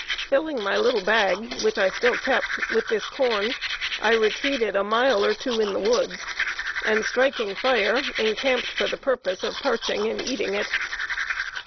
Filling my little bag, which I still kept, with this corn, I retreated a mile or two in the woods, and striking fire, encamped for the purpose of parching and eating it.